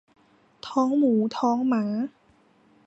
ท้องหมูท้องหมา